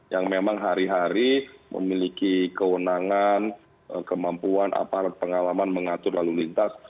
yang memang hari hari memiliki kewenangan kemampuan aparat pengalaman mengatur lalu lintas